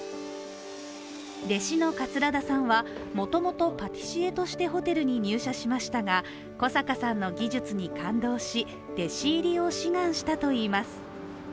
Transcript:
弟子の桂田さんはもともとパティシエとしてホテルに入社しましたが、小阪さんの技術に感動し弟子入りを志願したといいます。